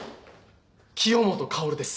清本薫です。